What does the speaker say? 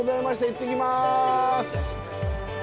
行ってきます！